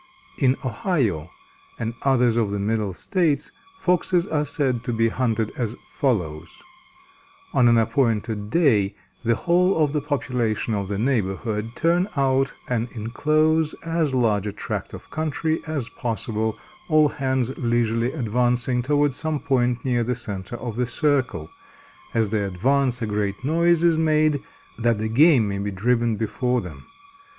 In Ohio and others of the middle states, Foxes are said to be hunted as follows: On an appointed day, the whole of the population of the neighborhood turn out and inclose as large a tract of country as possible, all hands leisurely advancing toward some point near the center of the circle; as they advance a great noise is made that the game may be driven before them.